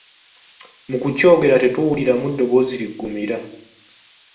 Mu kukyogera tetuwuliramu ddoboozi liggumira.